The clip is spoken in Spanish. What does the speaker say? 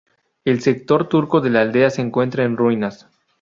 El sector turco de la aldea se encuentra en ruinas.